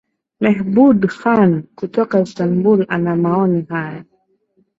Mehbood Khan kutoka Istanbul ana maoni haya